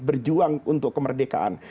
berjuang untuk kemerdekaan